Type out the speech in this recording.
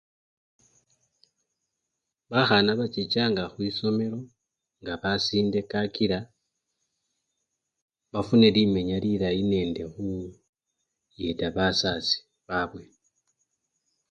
Bakhana bachichanga khwisomelo nga basinde kakila bafune limenya lilayi nende bu! khuyeta basasi babwe.